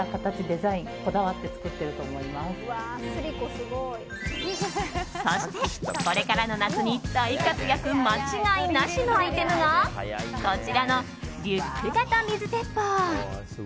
そして、これからの夏に大活躍間違いなしのアイテムがこちらのリュック型水鉄砲。